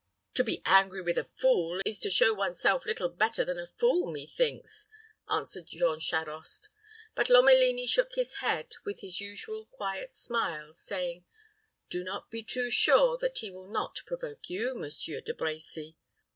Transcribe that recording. "To be angry with a fool is to show one's self little better than a fool, methinks," answered Jean Charost; but Lomelini shook his head, with his usual quiet smile, saying, "Do not be too sure that he will not provoke you, Monsieur De Brecy.